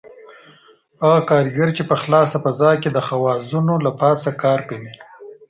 هغه کاریګر چې په خلاصه فضا کې د خوازونو له پاسه کار کوي.